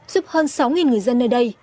giúp hơn sáu người dân nơi đây